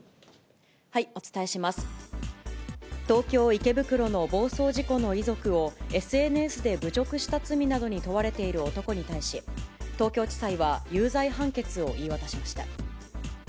東京・池袋の暴走事故の遺族をＳＮＳで侮辱した罪などに問われている男に対し、東京地裁は有罪判決を言い渡しました。